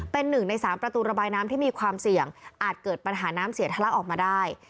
เป็นหนึ่งในสามประตูระบายน้ำที่มีความเสี่ยงอาจเกิดปัญหาน้ำเสียทะลักออกมาได้